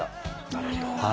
なるほど。